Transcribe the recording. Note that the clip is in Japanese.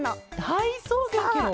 だいそうげんケロ？